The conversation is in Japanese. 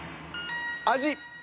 「味」。